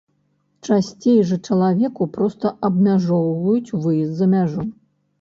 Часцей жа чалавеку проста абмяжоўваюць выезд за мяжу.